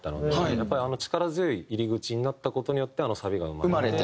やっぱりあの力強い入り口になった事によってあのサビが生まれて。